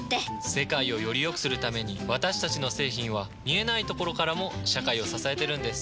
世界をよりよくするために私たちの製品は見えないところからも社会を支えてるんです。